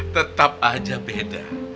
tetap aja beda